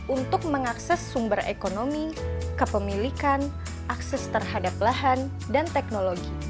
untuk mengakses sumber ekonomi kepemilikan akses terhadap lahan dan teknologi